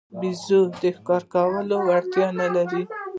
بیزو د ښکار کولو اړتیا نه لري.